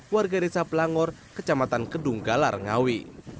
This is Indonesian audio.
warga desa pelangor kecamatan kedunggalar ngawi